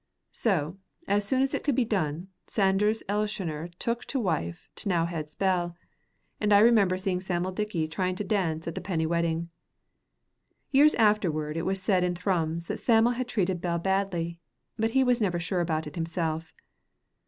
So, as soon as it could be done, Sanders Elshioner took to wife T'nowhead's Bell, and I remember seeing Sam'l Dickie trying to dance at the penny wedding. Years afterward it was said in Thrums that Sam'l had treated Bell badly, but he was never sure about it himself.